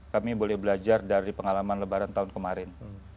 kami boleh belajar dari pengalaman lebaran tahun kemarin